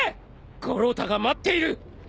五郎太が待っている！